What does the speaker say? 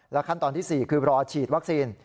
ขั้นตอนที่๔คือรอฉีดวัคซีน